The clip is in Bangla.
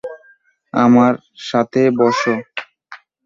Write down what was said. আমার সাথে বসো।